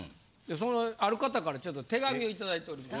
ある方からちょっと手紙をいただいております。